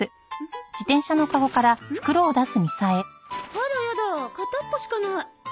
あらやだ片っぽしかない。